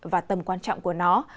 và tầm quan trọng của nó